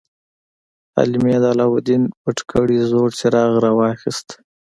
حلیمې د علاوالدین پټ کړی زوړ څراغ راواخیست.